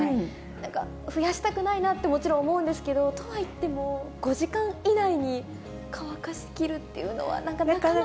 なんか、増やしたくないなってもちろん思うんですけど、とはいっても、５時間以内に乾かしきるっていうのは、なかなか。